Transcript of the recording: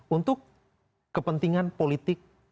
untuk kepentingan politik